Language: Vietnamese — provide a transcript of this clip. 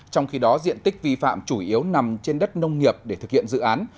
trong khi đó diện tích vi phạm chủ yếu nằm trên đất nông nghiệp để thực hiện dự án